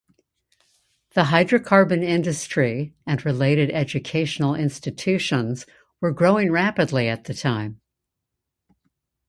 The hydrocarbon industry and related educational institutions were growing rapidly at the time.